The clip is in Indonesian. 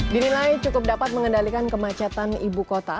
dinilai cukup dapat mengendalikan kemacetan ibu kota